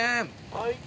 はい。